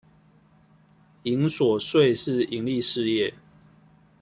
營所稅是營利事業